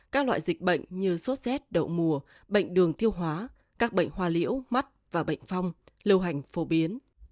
các loại dịch bệnh như sốt xét đậu mùa bệnh đường tiêu hóa các bệnh hoa liễu mắt và bệnh phong lưu hành phổ biến